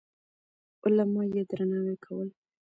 علما يې درناوي کول.